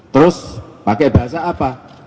terus pakai bahasa apa